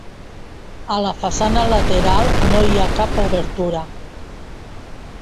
A la façana lateral no hi ha cap obertura.